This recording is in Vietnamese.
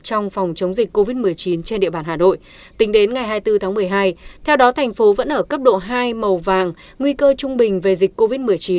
trong phòng chống dịch covid một mươi chín trên địa bàn hà nội tính đến ngày hai mươi bốn tháng một mươi hai theo đó thành phố vẫn ở cấp độ hai màu vàng nguy cơ trung bình về dịch covid một mươi chín